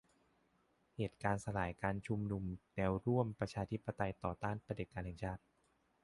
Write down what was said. เหตุการณ์สลายการชุมนุมแนวร่วมประชาธิปไตยต่อต้านเผด็จการแห่งชาติ